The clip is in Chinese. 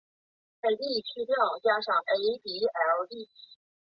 你春节假期有没有空呀？我想约你一起出来玩。